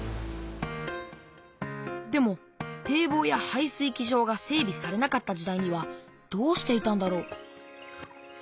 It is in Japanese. でも堤防や排水機場が整びされなかった時代にはどうしていたんだろう？